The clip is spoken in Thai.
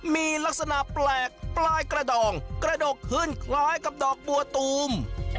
มีลักษณะแปลกปลายกระดองกระดกขึ้นคล้ายกับดอกบัวตูม